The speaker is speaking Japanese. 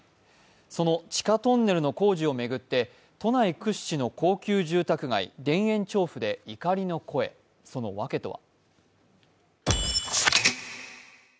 その地下トンネルの工事を巡って都内屈指の高級住宅街田園調布で怒りの声、その訳とは？